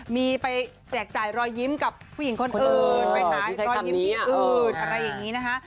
มีไปแจกจ่ายรอยยิ้มกับผู้หญิงคนอื่นไปหารอยยิ้มที่อื่นอะไรอย่างนี้นะคะ